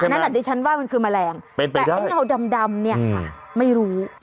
อันนั้นแต่ที่ฉันว่ามันคือแมลงแต่เงาดำเนี่ยค่ะไม่รู้